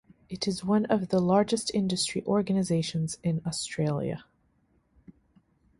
It is one of the largest industry organisations in Australia.